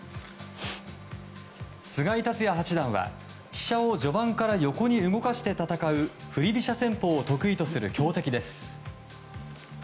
菅井竜也八段は飛車を序盤から横に動かして戦う振り飛車戦法を得意とする強敵です。